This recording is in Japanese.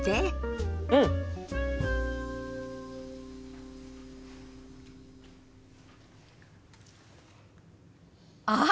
うん！あっ！